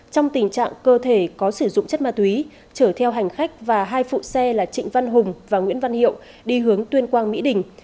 bốn trăm sáu mươi ba trong tình trạng cơ thể có sử dụng chất ma túy chở theo hành khách và hai phụ xe là trịnh văn hùng và nguyễn văn hiệu đi hướng tuyên quang mỹ đình